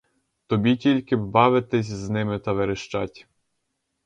Тобі тільки б бавиться з ними та верещать.